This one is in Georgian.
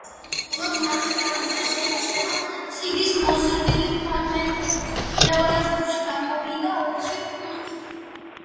ზოგ მათგანზე შეიმჩნევა წიდის მოზრდილი ფრაგმენტებიც, მეორე ჯგუფში გამოვლინდა ოთხი პუნქტი.